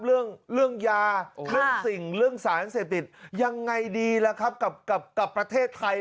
เรื่องเรื่องยาเรื่องสิ่งเรื่องสารเสพติดยังไงดีล่ะครับกับประเทศไทย